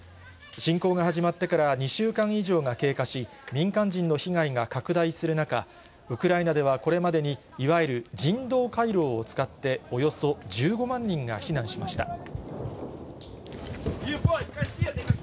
侵攻が始まってから２週間以上が経過し、民間人の被害が拡大する中、ウクライナではこれまでに、いわゆる人道回廊を使っておよそ１５万人が避難しました。